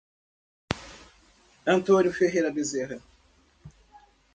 Antônio Ferreira Bezerra